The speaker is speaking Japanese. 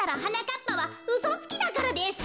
かっぱはうそつきだからです。